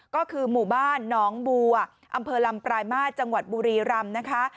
ก็คือหมู่บ้านหนองบัวอำเภอลำปลายมาตรจังหวัดบุรีรำนะคะ